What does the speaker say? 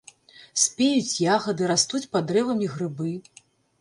Спеюць ягады, растуць пад дрэвамі грыбы.